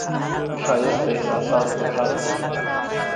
ښایست د احساساتو غږ دی